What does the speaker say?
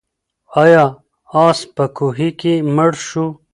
آیا آس په کوهي کې مړ شو؟